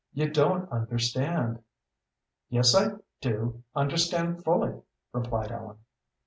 You don't understand." "Yes, I do understand fully," replied Ellen.